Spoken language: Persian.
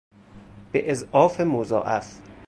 به اضعاف مضاعف